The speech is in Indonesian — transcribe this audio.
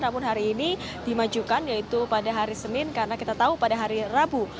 namun hari ini dimajukan yaitu pada hari senin karena kita tahu pada hari rabu